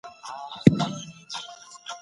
هغه په مځکي کي کار کوی او خولې تويوي.